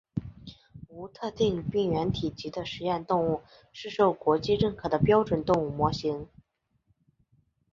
无特定病原体级的实验动物是受国际认可的标准动物模型。